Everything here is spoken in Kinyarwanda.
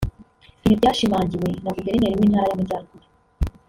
Ibi byashimangiwe na Guverineri w’intara y’Amajyaruguru